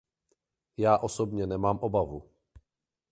Já osobně nemám obavu.